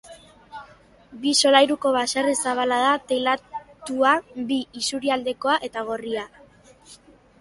Bi solairuko baserri zabala da, teilatua bi isurialdekoa eta gorria.